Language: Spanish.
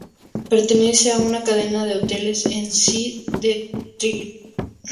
Pertenece a una cadena de hoteles con sede en Trelew.